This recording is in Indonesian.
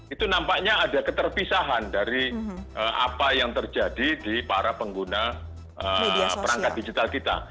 itu nampaknya ada keterpisahan dari apa yang terjadi di para pengguna perangkat digital kita